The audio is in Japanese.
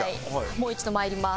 もう一度まいります。